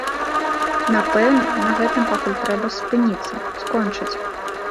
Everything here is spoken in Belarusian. Напэўна, на гэтым пакуль трэба спыніцца, скончыць.